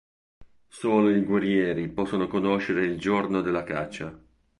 Solo i guerrieri possono conoscere il giorno della caccia.